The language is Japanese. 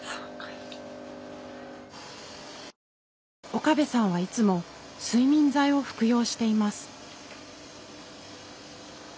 岡部さんはいつも睡眠剤を服用しています。